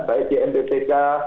baik di ndpk